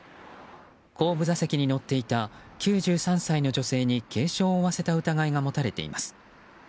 後部座席に乗っていた９３歳の女性に軽傷を負わせた疑いが持たれています。